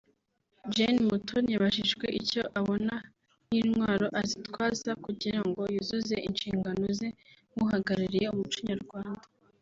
Jane Mutoni yabajijwe icyo abona nk’intwaro azitwaza kugirango yuzuze inshingano ze nk’uhagarariye umuco nyarwanda